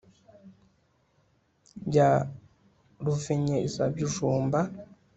Ya ruvonyezabijumba